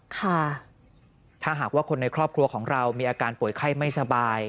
ค่ะถ้าหากว่าคนในครอบครัวของเรามีอาการป่วยไข้ไม่สบาย